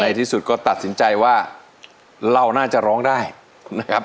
ที่สุดก็ตัดสินใจว่าเราน่าจะร้องได้นะครับ